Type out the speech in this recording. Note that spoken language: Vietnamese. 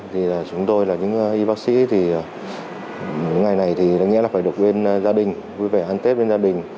thì chúng tôi là những y bác sĩ thì những ngày này thì đáng nhẽ là phải được bên gia đình vui vẻ ăn tết bên gia đình